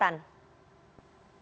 ya bang abalin saya beri kesempatan